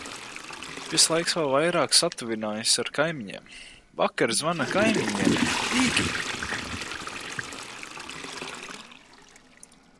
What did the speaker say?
Šis laiks vēl vairāk satuvinājis ar kaimiņiem. Vakar zvana kaimiņiene: Līgiņ!